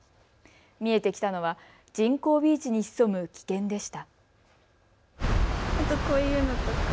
見えてきたのは人工ビーチに潜む危険でした。